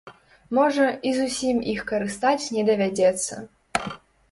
Можа, і зусім іх карыстаць не давядзецца.